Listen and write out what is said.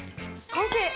完成？